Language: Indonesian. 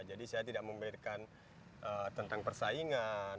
jadi saya tidak membahas tentang persaingan